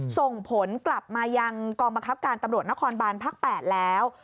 ส่งผลกลับมายังกองบังคับการตำรวจนครบานภาค๘แล้ว